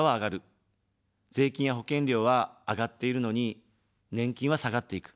税金や保険料は上がっているのに、年金は下がっていく。